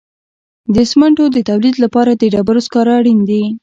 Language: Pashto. د سمنټو د تولید لپاره د ډبرو سکاره اړین دي.